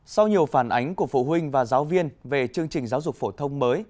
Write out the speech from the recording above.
sau nhiều phản ánh của phụ huynh và giáo viên về chương trình giáo dục phổ thông mới